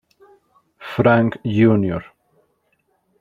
Frank Jr.